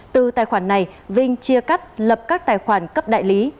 từ tài khoản này vinh chia cắt lập các tài khoản cấp đại lý